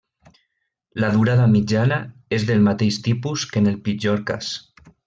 La durada mitjana és del mateix tipus que en el pitjor cas.